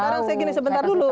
sekarang saya gini sebentar dulu